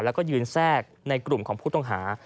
แล้วก็ยืนแทรกในกลุ่มของผู้ต้องหา